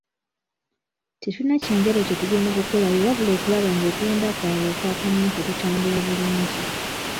Tetulina kya njawulo kye tugenda kukolayo wabula okulaba ng'okulonda kwabwe okwa kamyufu kutambula bulungi.